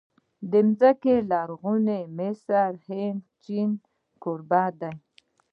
مځکه د لرغوني مصر، هند، چین کوربه ده.